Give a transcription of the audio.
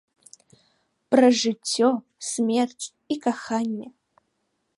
Пра жыццё, смерць і каханне.